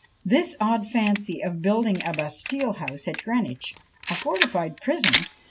This odd fancy of building a "Bastile House" at Greenwich, a fortified prison!